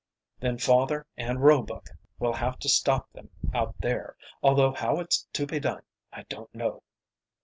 "Then father and Roebuck will have to stop them out there, although how it's to be done I don't know."